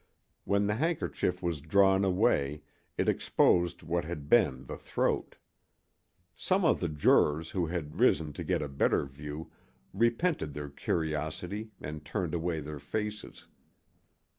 When the handkerchief was drawn away it exposed what had been the throat. Some of the jurors who had risen to get a better view repented their curiosity and turned away their faces.